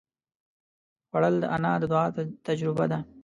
خوړل د انا د دعا تجربه ده